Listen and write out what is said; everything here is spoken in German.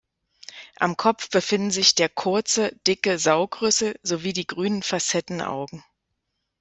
Am Kopf befinden sich der kurze, dicke Saugrüssel sowie die grünen Facettenaugen.